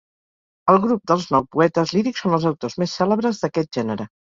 El grup dels nou poetes lírics són els autors més cèlebres d'aquest gènere.